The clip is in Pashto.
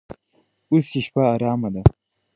اوس یې شپه ارامه ده.